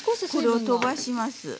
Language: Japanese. これをとばします。